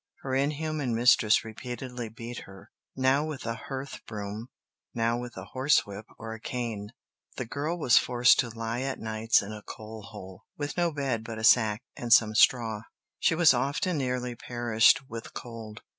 Her inhuman mistress repeatedly beat her, now with a hearth broom, now with a horsewhip or a cane. The girl was forced to lie at nights in a coal hole, with no bed but a sack and some straw. She was often nearly perished with cold.